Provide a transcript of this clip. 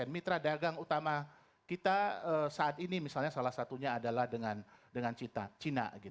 mitra dagang utama kita saat ini misalnya salah satunya adalah dengan cina